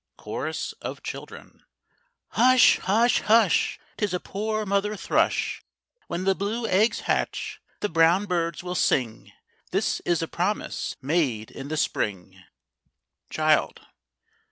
CHORUS OF CHILDREN. Hush! hush! hush! 'Tis a poor mother thrush. When the blue eggs hatch, the brown birds will sing This is a promise made in the Spring. CHILD.